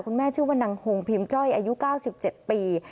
ชื่อว่านางหงพิมจ้อยอายุ๙๗ปี